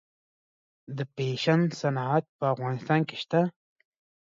د فیشن صنعت په افغانستان کې شته؟